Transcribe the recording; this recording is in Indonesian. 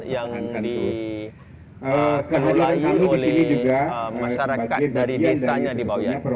yang dikeluarkan oleh masyarakat dari desanya di bawean